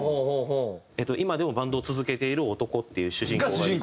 今でもバンドを続けている男っていう主人公がいて。